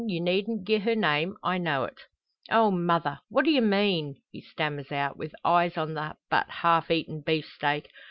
You needn't gi'e her name. I know it." "Oh, mother! what d'ye mean?" he stammers out, with eyes on the but half eaten beefsteak.